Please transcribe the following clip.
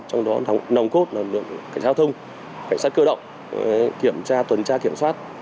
trong đó nòng cốt là lực lượng cảnh giao thông cảnh sát cơ động kiểm tra tuần tra kiểm soát